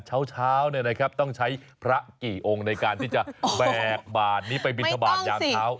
เช้าต้องใช่พระกิองในการที่จะแบ่กบาดนี้ไปบินเท่าบาดย้ามเท้า